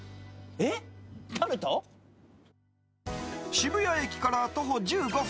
渋谷駅から徒歩１５分。